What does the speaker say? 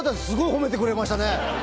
すごい褒めてくれましたね。